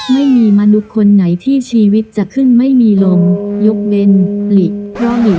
ไม่มีมนุษย์คนไหนที่ชีวิตจะขึ้นไม่มีลมยกเป็นหลี